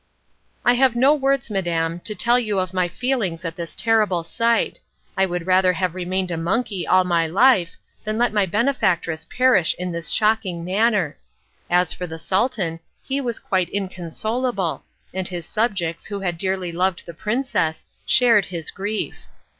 I have no words, madam, to tell you of my feelings at this terrible sight. I would rather have remained a monkey all my life than let my benefactress perish in this shocking manner. As for the Sultan, he was quite inconsolable, and his subjects, who had dearly loved the princess, shared his grief.